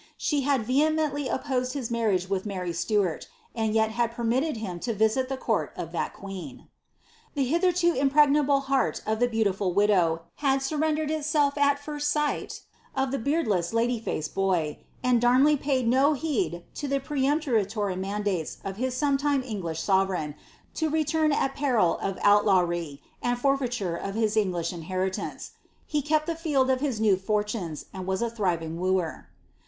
She had vehemendy opposed his marriage with Hary Stuart, and yet had permitted him to visit the court ot tlut qoeeo. The hitherto impregnable heart of the beautiful widow, had aurrai dered itself at first sight of the beardless, lady faced boy," and Dam ley paid no heed to the peremptory itwodatee or his sometime Eoglidi sovereign, to return at peril of outlawry, and forfeiture of his T^pW* inheritance. He kept the field of his new fortunes, and was a thrivii^ wooer.